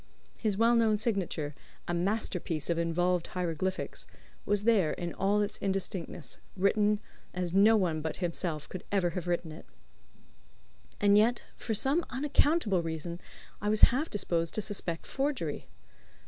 His well known signature, a masterpiece of involved hieroglyphics, was there in all its indistinctness, written as no one but himself could ever have written it. And yet, for some unaccountable reason, I was half disposed to suspect forgery.